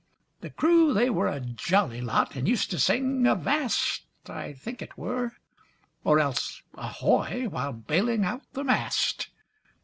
The crew they were a jolly lot, an' used to sing 'Avast,' I think it were, or else 'Ahoy,' while bailing out the mast.